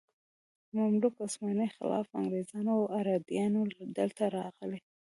مملوک، عثماني خلافت، انګریزان او اردنیان دلته راغلي.